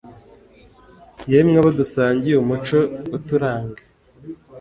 yemwe abo dusangiye umuco uturanga